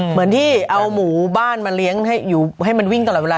เหมือนที่เอาหมู่บ้านมาเลี้ยงให้มันวิ่งตลอดเวลา